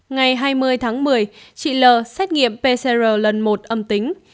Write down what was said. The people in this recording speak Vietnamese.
ngày hai mươi tháng một mươi chị l xét nghiệm pcr lần một âm tính